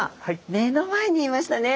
目の前にいましたね。